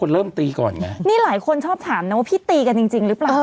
นี่หลายคนชอบถามนะว่าพี่ตีกันจริงหรือเปล่า